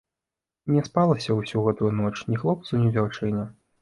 Не спалася ўсю гэту ноч ні хлопцу, ні дзяўчыне.